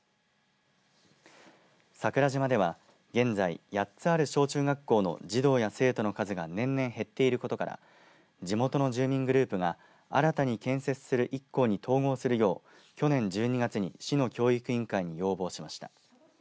桜島では現在、８つある小中学校の児童や生徒の数が年々減っていることから地元の住民グループが新たに建設する１校に統合するよう、去年１２月に市の教育委員会に要望しました。